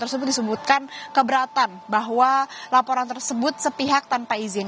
tersebut disebutkan keberatan bahwa laporan tersebut sepihak tanpa izin